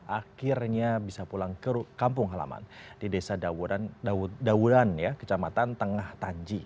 akhirnya bisa pulang ke kampung halaman di desa dauran kecamatan tengah tanji